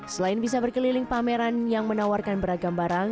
selain bisa berkeliling pameran yang menawarkan beragam barang